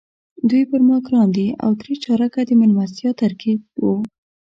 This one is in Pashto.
دوی پر ما ګران دي او درې چارکه د میلمستیا ترکیب وو.